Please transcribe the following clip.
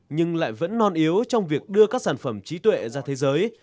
nhưng lại vẫn non yếu trong việc đưa các sản phẩm trí tuệ ra thế giới